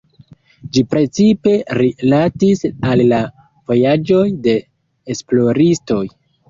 Ĝi precipe rilatis al la vojaĝoj de esploristoj.